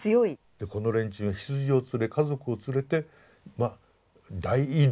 でこの連中が羊を連れ家族を連れてまあ大移動ですよね。